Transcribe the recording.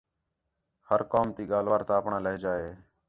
ہر قوم تی ڳالھ وار تا اَپݨاں لہجہ ہے